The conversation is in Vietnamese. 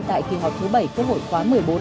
tại kỳ họp thứ bảy quốc hội khóa một mươi bốn